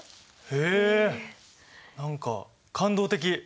へえ何か感動的。